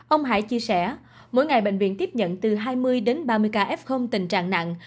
ông hải chia sẻ mỗi ngày bệnh viện tiếp nhận từ hai mươi đến ba mươi ca f tình trạng nặng